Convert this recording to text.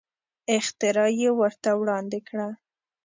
اختراع یې ورته وړاندې کړه.